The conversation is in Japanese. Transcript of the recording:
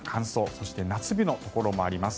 そして夏日のところもあります。